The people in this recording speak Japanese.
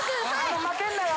「負けんなよ。